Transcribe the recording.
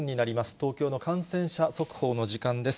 東京の感染者速報の時間です。